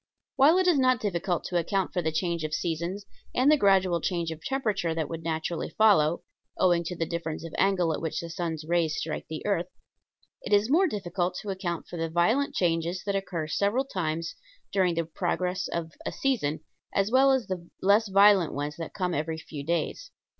While it is not difficult to account for the change of seasons and the gradual change of temperature that would naturally follow owing to the difference of angle at which the sun's rays strike the earth it is more difficult to account for the violent changes that occur several times during the progress of a season, as well as the less violent ones that come every few days.